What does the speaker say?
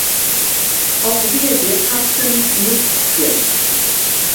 Auch wir wirtschaften nicht schlecht.